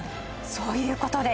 そういう事です。